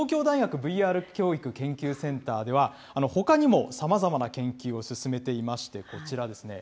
東京大学・ＶＲ教育研究センターでは、ほかにもさまざまな研究を進めていまして、こちらですね。